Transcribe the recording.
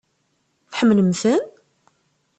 Tḥemmlem-ten?